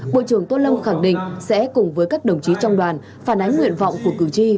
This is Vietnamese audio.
bộ trưởng tô lâm khẳng định sẽ cùng với các đồng chí trong đoàn phản ánh nguyện vọng của cử tri